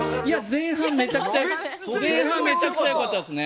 前半めちゃくちゃ良かったですね。